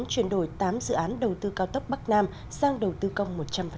chuyển đổi tám dự án đầu tư cao tốc bắc nam sang đầu tư công một trăm linh